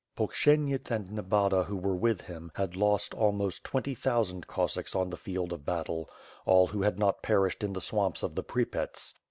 Polksienjyts and Nebaba who were with him, had lost al most twenty thousand Cossacks on the field of battle, all who had not perished in the swamps of the Prypets.